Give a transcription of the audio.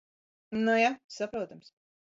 Nu ja. Saprotams.